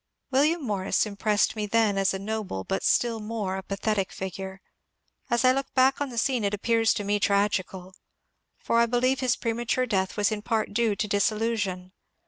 William Morris impressed me then as a noble but still more apathetic figure ; as I look back on the scene it appears to me tragical. For I believe his premature death was in part due to disillusion.